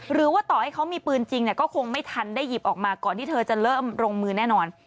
หรือว่าต่อให้เขามีปืนจริงก็คงไม่ทันได้หยิบออกมาก่อนที่เธอจะเริ่มลงมือแน่นอน